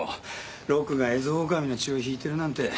ロクがエゾオオカミの血を引いてるなんて。